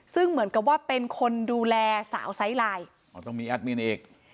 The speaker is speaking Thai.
ซึ่งเหมือนกับว่าเป็นคนดูแลสาวไซส์ไลน์อ๋อต้องมีแอดมินอีก